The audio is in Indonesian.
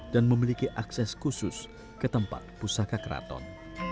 dan memiliki akses khusus ke tempat pusaka keraton